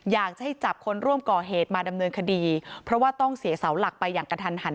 อยากจะให้จับคนร่วมก่อเหตุมาดำเนินคดีเพราะว่าต้องเสียเสาหลักไปอย่างกระทันหัน